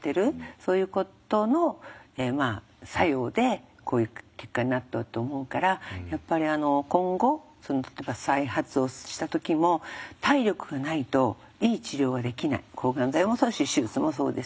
そういうことの作用でこういう結果になったと思うからやっぱり今後例えば再発をした時も抗がん剤もそうですし手術もそうです。